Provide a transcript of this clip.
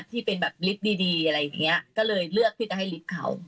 ที่เป็นแบบลิฟต์ดีดีอะไรอย่างเงี้ยก็เลยเลือกที่จะให้ลิฟต์เขา